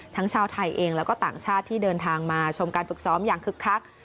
ชาวไทยเองแล้วก็ต่างชาติที่เดินทางมาชมการฝึกซ้อมอย่างคึกคัก